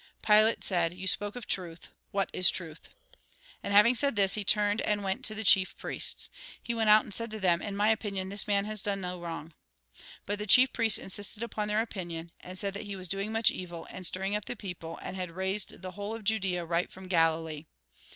Pilate said :" You spoke of truth. What is truth ?" And having said this, he turned, and went to the chief priests. He went out and said to them :" In my opinion, this man has done no wrong." But the chief priests insisted upon their opinion, and said that he was doing much evil, and stirring up the people, and had raised the whole of Judtea right from Galilee.